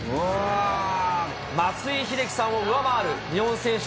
松井秀喜さんを上回る日本選手